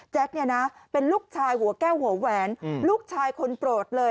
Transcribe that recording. เป็นลูกชายหัวแก้วหัวแหวนลูกชายคนโปรดเลย